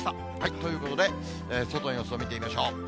ということで、外の様子を見てみましょう。